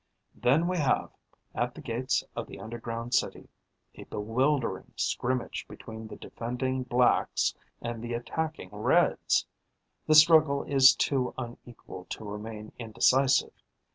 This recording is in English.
Then we have, at the gates of the underground city, a bewildering scrimmage between the defending blacks and the attacking reds. The struggle is too unequal to remain indecisive.